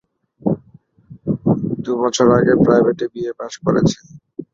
দু বছর আগে প্রাইভেটে বি এ পাস করেছি।